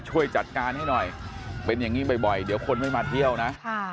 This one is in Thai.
ช่วยจัดการให้หน่อยเป็นอย่างนี้บ่อยเดี๋ยวคนไม่มาเที่ยวนะ